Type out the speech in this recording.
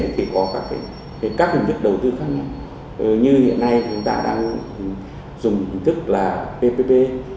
thì có các hình thức đầu tư khác nhau như hiện nay chúng ta đang dùng hình thức là ppp